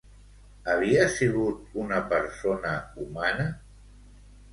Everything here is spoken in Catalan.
Havia sigut una persona humana?